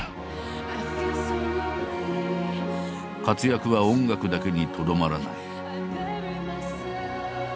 活躍は音楽だけにとどまらない。